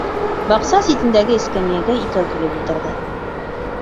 Баҡса ситендәге эскәмйәгә икәү килеп ултырҙы.